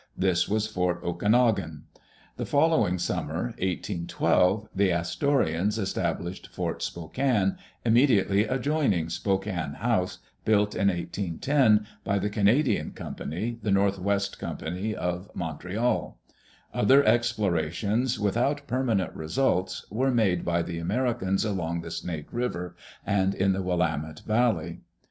This was Fort Okanogan. The following summer, 18 12, the Astorians established Fort Spokane, immediately adjoining Spokane House, built in 18 10 by the Canadian Company, the North West Company, of MontreaL Other explorations, without permanent results, were made by the Americans along the Snake River, and in the Willamette Valley.